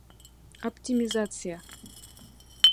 Оптимизация!